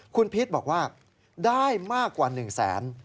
คุณพีชบอกว่าได้มากกว่า๑๐๐๐๐๐บาท